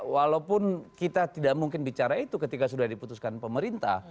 walaupun kita tidak mungkin bicara itu ketika sudah diputuskan pemerintah